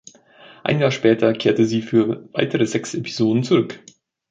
Ein Jahr später kehrte sie für weitere sechs Episoden zurück.